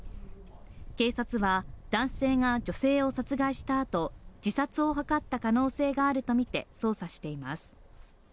警察は、男性が女性を殺害したあと自殺を図った可能性があるとみて捜査しています。